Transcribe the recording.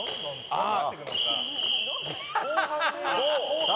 ああ！